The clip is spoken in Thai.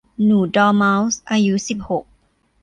หนูดอร์เมาส์อายุสิบหก